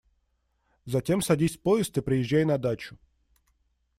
Затем садись в поезд и приезжай на дачу…